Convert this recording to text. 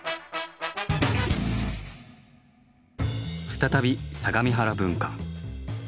再び相模原分館。